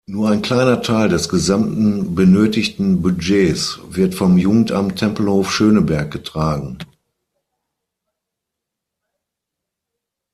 Nur ein kleiner Teil des gesamten benötigten Budgets wird vom Jugendamt Tempelhof-Schöneberg getragen.